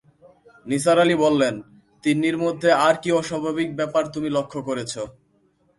নিসার আলি বললেন, তিন্নির মধ্যে আর কি অস্বাভাবিক ব্যাপার তুমি লক্ষ করেছ?